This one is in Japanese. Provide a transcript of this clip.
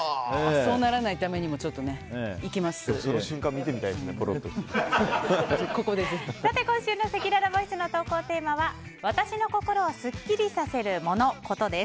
そうならないためにも今週のせきららボイスの投稿テーマは私の心をスッキリさせるモノ・コトです。